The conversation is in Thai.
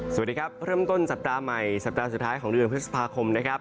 สวัสดีครับเริ่มต้นสัปดาห์ใหม่สัปดาห์สุดท้ายของเดือนพฤษภาคมนะครับ